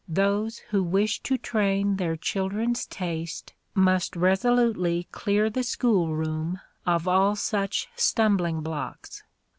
Those who wish to train their children's taste must resolutely clear the school room of all such stumbling blocks.